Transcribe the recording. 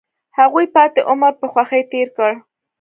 هغوی پاتې عمر په خوښۍ تیر کړ.